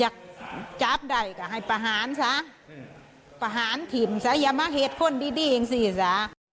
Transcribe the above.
อยากจับใดก็ให้ประหารซะประหารถิ่มซะอย่ามาเห็นคนดีอิงสิซะ